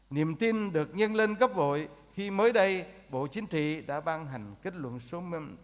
niềm tin được nhân lên gấp gội khi mới đây bộ chính trị đã ban hành kết luận số sáu mươi năm